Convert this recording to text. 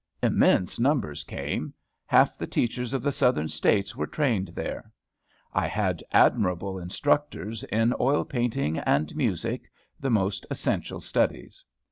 Immense numbers came. Half the teachers of the Southern States were trained there. I had admirable instructors in Oil Painting and Music, the most essential studies.